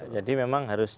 jadi memang harus